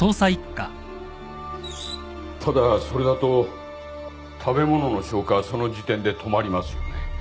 ただそれだと食べ物の消化はその時点で止まりますよね。